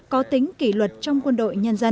có tính kỷ luật trong quân đội nhân dân